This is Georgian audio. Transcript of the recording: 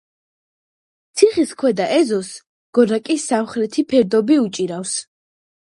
ციხის ქვედა ეზოს გორაკის სამხრეთი ფერდობი უჭირავს.